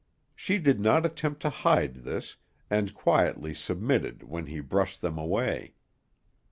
She did not attempt to hide this, and quietly submitted when he brushed them away.